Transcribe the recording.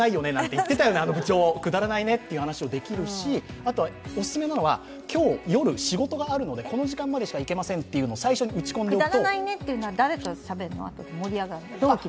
さっきあの部長、くだらないねという話をできるし、あとお勧めなのは今日、夜仕事があるのでこの時間までしか行けませんというのを最初に打ち込んでおくと。